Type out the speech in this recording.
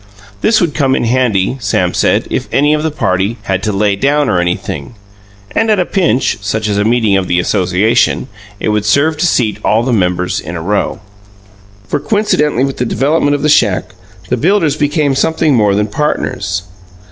This would come in handy, Sam said, if any of the party "had to lay down or anything", and at a pinch (such as a meeting of the association) it would serve to seat all the members in a row. For, coincidentally with the development of the shack, the builders became something more than partners.